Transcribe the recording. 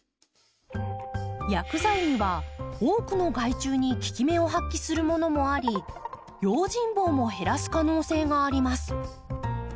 薬剤には多くの害虫に効き目を発揮するものもあり用心棒も減らす可能性があります。